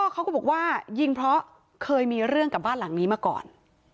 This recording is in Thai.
เขาก็บอกว่ายิงเพราะเคยมีเรื่องกับบ้านหลังนี้มาก่อน